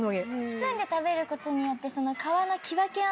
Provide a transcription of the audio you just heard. スプーンで食べることによって。